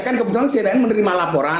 kan kebetulan cnn menerima laporan